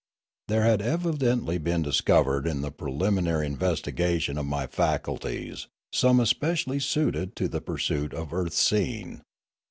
There had evidently been discovered in the preliminary in vestigation of my faculties some especially suited to the pursuit of earth seeing.